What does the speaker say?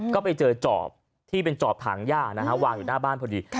ก็ไปเจอจอบที่เป็นจอบถังย่านะฮะวางอยู่หน้าบ้านพอดี